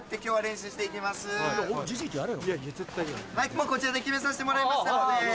もうこちらで決めさせてもらいましたので。